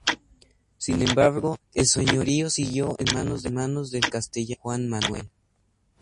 Sin embargo, el señorío siguió en manos del castellano don Juan Manuel.